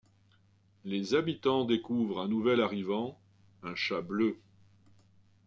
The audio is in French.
Les habitants découvrent un nouvel arrivant, un Chat Bleu.